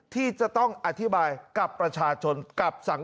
ที่จะต้องอธิบายกับประชาชนกับสังคม